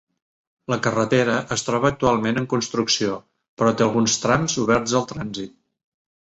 La carretera es troba actualment en construcció, però té alguns trams oberts al trànsit.